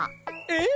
え？